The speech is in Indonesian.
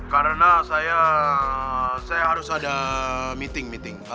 karena saya harus ada meeting